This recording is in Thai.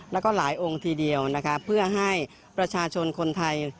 แล้วก็หลายองค์ทีเดียวนะคะเพื่อให้ประชาชนคนไทย